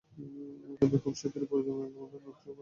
তবে খুব শিগগির পুরোদমে আমি আমার নকশা করা পোশাক নিয়ে ফিরে আসছি।